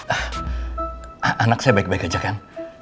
ah anak saya baik baik aja kan